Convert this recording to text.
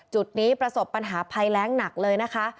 จุดนี้ประสบปัญหาภัยแรงหนักเลยนะคะ